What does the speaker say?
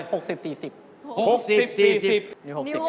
นิว๖๐